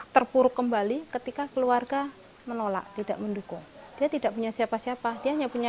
terpuruk kembali ketika keluarga menolak tidak mendukung dia tidak punya siapa siapa dia hanya punya